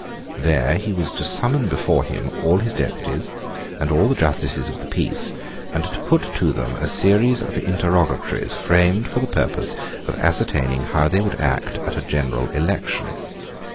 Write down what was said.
There he was to summon before him all his deputies, and all the justices of the Peace, and to put to them a series of interrogatories framed for the purpose of ascertaining how they would act at a general election.